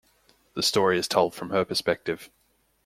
The story is told from her perspective.